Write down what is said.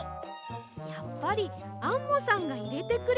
やっぱりアンモさんがいれてくれたんですね。